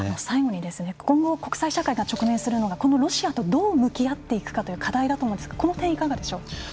最後にですね今後国際社会が直面するのがこのロシアとどう向き合っていくかという課題だと思うんですがこの点いかがでしょうか？